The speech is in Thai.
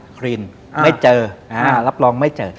ครีนไม่เจอรับรองไม่เจอ